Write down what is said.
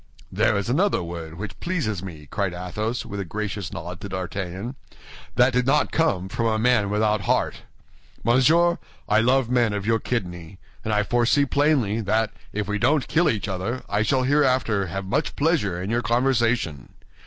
"There is another word which pleases me," cried Athos, with a gracious nod to D'Artagnan. "That did not come from a man without a heart. Monsieur, I love men of your kidney; and I foresee plainly that if we don't kill each other, I shall hereafter have much pleasure in your conversation.